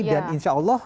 dan insya allah